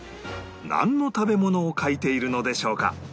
なんの食べ物を描いているのでしょうか？